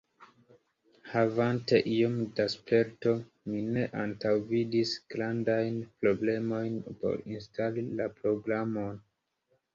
Havante iom da sperto, mi ne antaŭvidis grandajn problemojn por instali la programon.